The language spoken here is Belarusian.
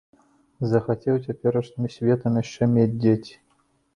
Захацеў цяперашнім светам яшчэ мець дзеці.